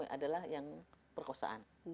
adalah yang perkosaan